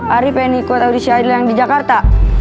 ari pengen ikut audisi idol yang di jakarta